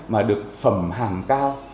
mà được phẩm hàng cao